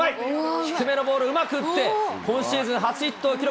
低めのボール、うまく打って、今シーズン初ヒットを記録。